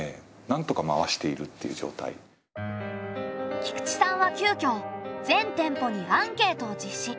菊地さんは急きょ全店舗にアンケートを実施。